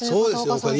そうですよ！